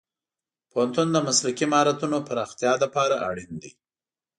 پوهنتون د مسلکي مهارتونو پراختیا لپاره اړین دی.